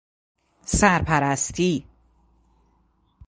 سرپرستی